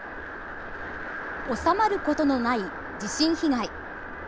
収まることのない地震被害。